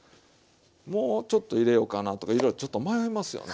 もうちょっと入れようかなとかいろいろちょっと迷いますよね。